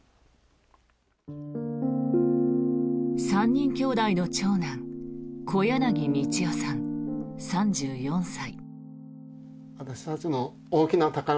３人兄弟の長男小柳宝大さん、３４歳。